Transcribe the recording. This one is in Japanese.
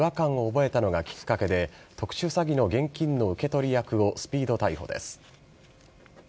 息子を装う電話の声に違和感を覚えたのがきっかけで特殊詐欺の現金の受け取り役をスピード逮捕です。